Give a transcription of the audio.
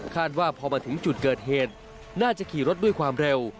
ว่าพอมาถึงจุดเกิดเหตุน่าจะขี่รถด้วยความเร็ว